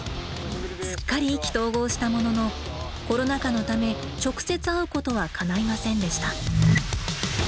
すっかり意気投合したもののコロナ禍のため直接会うことはかないませんでした。